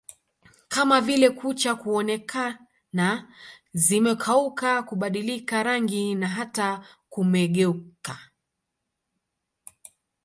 kama vile kucha kuonekana zimekauka kubadilika rangi na hata kumeguka